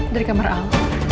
dari kamar al